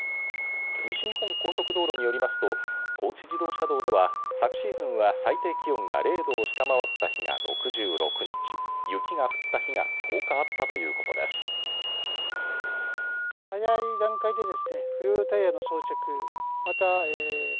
西日本高速道路によりますと高知自動車道では昨シーズンは最低気温が０度を下回った日が６６日雪が降った日が１０日あったということです。